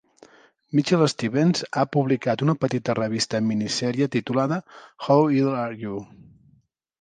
Mitchell Stevens ha publicat una petita revista mini-sèrie titulada "How idle are you?"